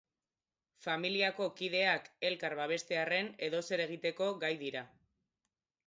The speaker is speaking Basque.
Familiako kideak elkar babestearren edozer egiteko gai dira.